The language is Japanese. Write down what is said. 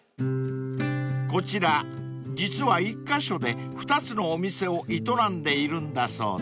［こちら実は１カ所で２つのお店を営んでいるんだそうで］